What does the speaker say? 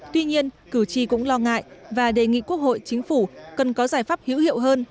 tuy nhiên cử tri cũng lo ngại và đề nghị quốc hội chính phủ cần có giải pháp hữu hiệu hơn